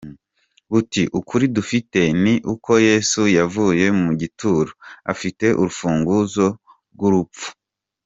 Buti “ Ukuri dufite ni uko Yesu yavuye mu gituro, afite urufunguzo rw’urupfu.